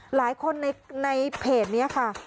หลายคนในเพจนี้ค่ะ